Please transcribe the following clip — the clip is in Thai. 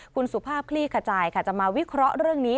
คุณสุภาพคลี่ขจายค่ะจะมาวิเคราะห์เรื่องนี้